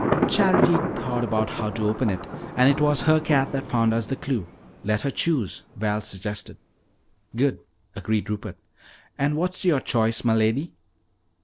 "Charity thought about how to open it, and it was her cat that found us the clue let her choose," Val suggested. "Good," agreed Rupert. "And what's your choice, m'lady?"